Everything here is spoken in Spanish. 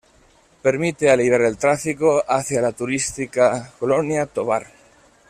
Permite aliviar el tráfico hacia la turística Colonia Tovar.